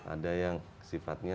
ada yang sifatnya